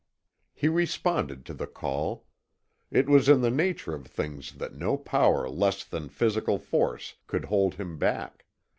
He responded to the call. It was in the nature of things that no power less than physical force could hold him back.